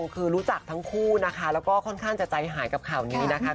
คือรู้จักทั้งคู่นะคะแล้วก็ค่อนข้างจะใจหายกับข่าวนี้นะคะ